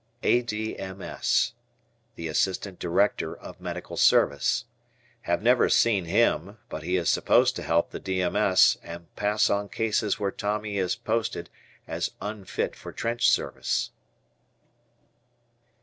A.D.M.S. Assistant Director of Medical Service. Have never seen him but he is supposed to help the D. M. S. and pass on cases where Tommy is posted as "unfit for trench service."